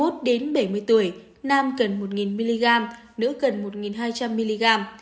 năm mươi một đến bảy mươi tuổi nam cần một nghìn mg nữ cần một nghìn hai trăm linh mg